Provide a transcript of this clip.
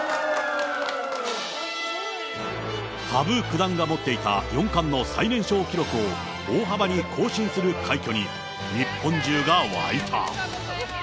羽生九段が持っていた四冠の最年少記録を大幅に更新する快挙に、日本中が沸いた。